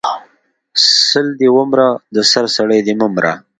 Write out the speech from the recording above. سل دی ومره د سر سړی د مه مره